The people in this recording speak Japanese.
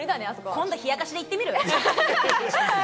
今度、冷やかしで行ってみる。